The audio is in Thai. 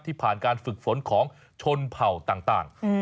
ผ่านการฝึกฝนของชนเผ่าต่าง